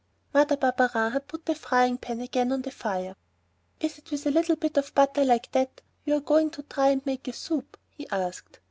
Mother Barberin had put the frying pan again on the fire. "Is it with a little bit of butter like that you're going to try and make a soup?" he asked.